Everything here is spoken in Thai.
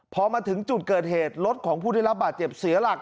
พอมาถึงจุดเกิดเหตุรถของผู้ได้รับบาดเจ็บเสียหลัก